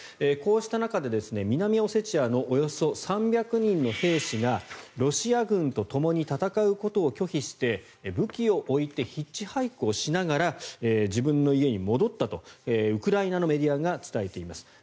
こうした中で南オセチアのおよそ３００人の兵士がロシア軍とともに戦うことを拒否して武器を置いてヒッチハイクをしながら自分の家に戻ったとウクライナのメディアが伝えています。